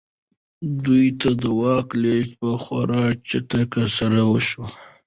دوی ته د واک لېږد په خورا چټکۍ سره وشو.